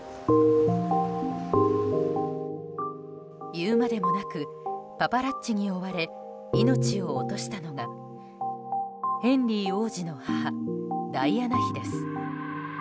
いうまでもなくパパラッチに追われ命を落としたのがヘンリー王子の母ダイアナ妃です。